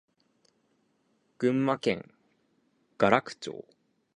群馬県邑楽町